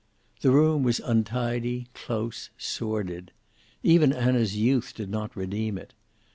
The room was untidy, close, sordid. Even Anna's youth did not redeem it.